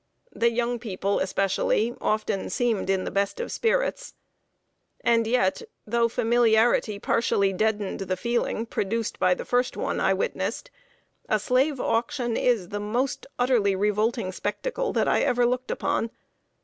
The young people, especially, often seemed in the best of spirits. [Sidenote: A MOST REVOLTING SPECTACLE.] And yet, though familiarity partially deadened the feeling produced by the first one I witnessed, a slave auction is the most utterly revolting spectacle that I ever looked upon.